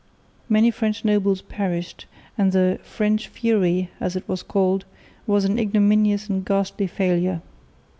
Many French nobles perished, and the "French Fury," as it was called, was an ignominious and ghastly failure.